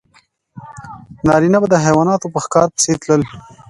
نارینه به د حیواناتو په ښکار پسې تلل.